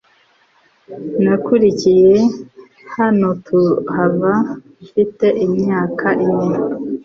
Nakuriye hano tuhava mfite imyaka ine .